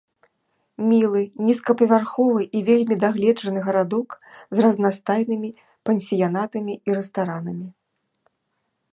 Мілы, нізкапавярховы і вельмі дагледжаны гарадок з разнастайнымі пансіянатамі і рэстаранамі.